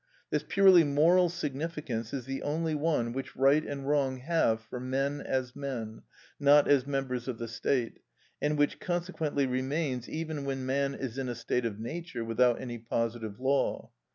This purely moral significance is the only one which right and wrong have for men as men, not as members of the State, and which consequently remains even when man is in a state of nature without any positive law.